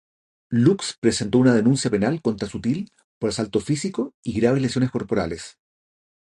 Lux presentó una denuncia penal contra Sutil por asalto físico y graves lesiones corporales.